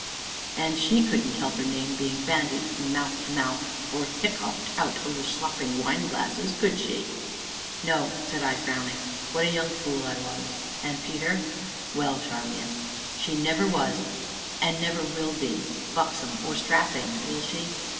"And she couldn't help her name being bandied from mouth to mouth, or 'hiccoughed out over slopping wineglasses,' could she?" "No," said I, frowning; "what a young fool I was!" "And, Peter " "Well, Charmian?" "She never was and never will be buxom, or strapping will she?